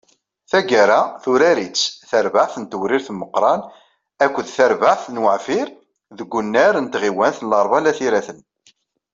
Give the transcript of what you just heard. Taggara, turar-itt, tarbaɛt n Tewrirt Meqqran akked tarbaɛt n Weɛfir, deg unnar n tɣiwant n Larebɛa n At Yiraten.